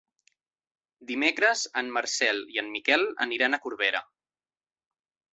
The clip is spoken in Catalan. Dimecres en Marcel i en Miquel aniran a Corbera.